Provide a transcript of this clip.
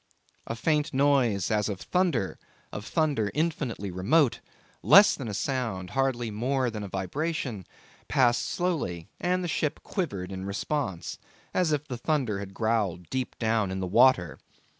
A faint noise as of thunder, of thunder infinitely remote, less than a sound, hardly more than a vibration, passed slowly, and the ship quivered in response, as if the thunder had growled deep down in the water.